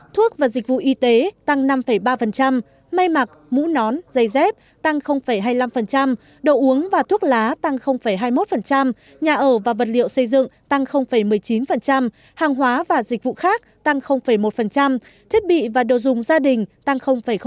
thuốc và dịch vụ y tế tăng năm ba may mặc mũ nón dây dép tăng hai mươi năm độ uống và thuốc lá tăng hai mươi một nhà ở và vật liệu xây dựng tăng một mươi chín hàng hóa và dịch vụ khác tăng một thiết bị và đồ dùng gia đình tăng ba